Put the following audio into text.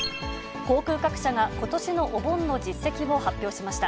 航空各社がことしのお盆の実績を発表しました。